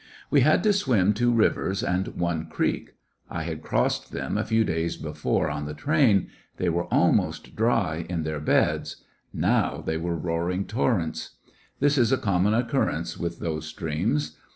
We had to swim two rivers and one creek, I had crossed them a few days before on the train j they were almost dry in their beds ; now they were roaring torrents. This is a common occurrence with those streams.